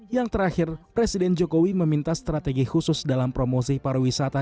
yang terakhir presiden jokowi meminta strategi khusus dalam promosi pariwisata